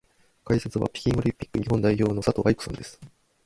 解説は北京オリンピック日本代表の佐藤愛子さんです。